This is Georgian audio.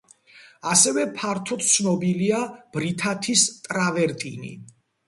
ასევე ფართოდ ცნობილია ბრითათის ტრავერტინი.